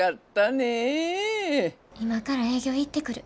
今から営業行ってくる。